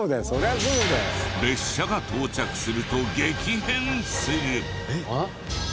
列車が到着すると激変する！